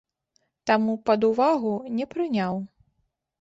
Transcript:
Таму пад увагу не прыняў.